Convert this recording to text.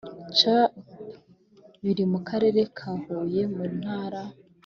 Chub biri mu karere ka huye mu ntara